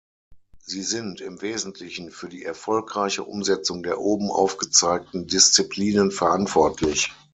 Sie sind im Wesentlichen für die erfolgreiche Umsetzung der oben aufgezeigten Disziplinen verantwortlich.